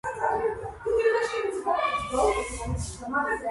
მრავალი საუკუნის განმავლობაში, სიენას ხელოვნების მდიდარი ტრადიციები გააჩნდა.